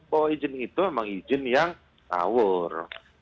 bahwa izin itu memang izin yang tawur